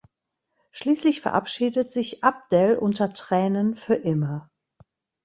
Schließlich verabschiedet sich Abdel unter Tränen für immer.